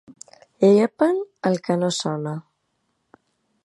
Llepen el que no sona.